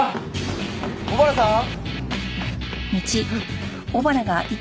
小原さん？